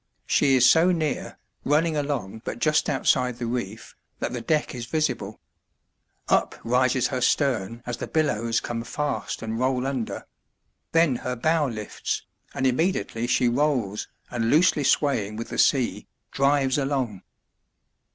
She is so near, running along but just outside the reef, that the deck is visible. Up rises her stern as the billows come fast and roll under; then her bow lifts, and immediately she rolls, and, loosely swaying with the sea, drives along.